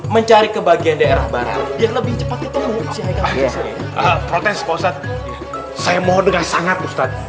mencari kebagian daerah barang biar lebih cepat ketemu protes saya mohon dengar sangat ustadz